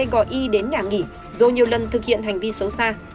gọi y đến nhà nghỉ dù nhiều lần thực hiện hành vi xấu xa